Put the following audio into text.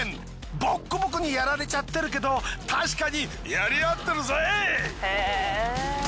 ボッコボコにやられちゃってるけど確かにやり合ってるぜ！